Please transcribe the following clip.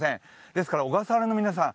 ですから小笠原の皆さん